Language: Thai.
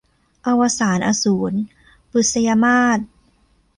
อวสานอสูร - บุษยมาส